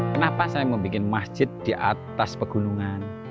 kenapa saya membuat masjid di atas pegunungan